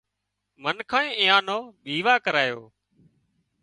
منکانئي ايئان نو ويوا ڪرايو